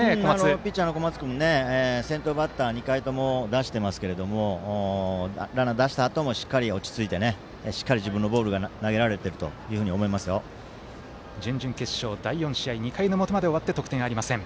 ピッチャーの小松君も先頭バッター２回とも出してますがランナー出したあともしっかり落ち着いて自分のボールが投げられていると準々決勝、第４試合２回の表まで終わって得点ありません。